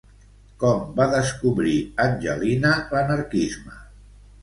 Com va descobrir Angelina l'anarquisme?